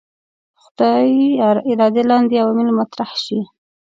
خدای ارادې لاندې عوامل مطرح شي.